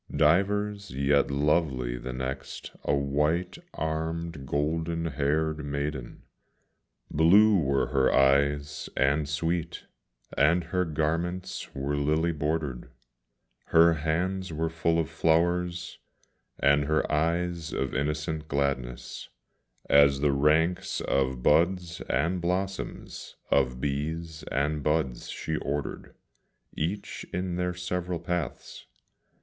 Divers, yet lovely the next, a white armed, golden haired maiden; Blue were her eyes and sweet, and her garments were lily bordered; Her hands were full of flowers, and her eyes of innocent gladness, As the ranks of buds and blossoms, of bees and buds she ordered, Each in their several paths.